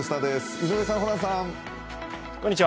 井上さん、ホランさん。